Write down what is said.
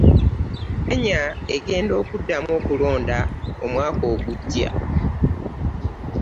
Kenya egenda kuddamu okulonda omwaka ogujja.